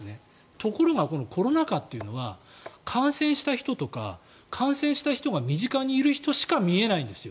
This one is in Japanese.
ところが、このコロナ禍は感染した人とか感染した人が身近にいる人しか見えないんですよ。